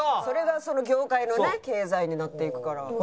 それがその業界のね経済になっていくから。